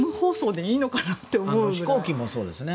飛行機もそうですね。